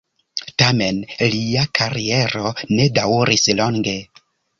Tamen lia kariero ne daŭris longe.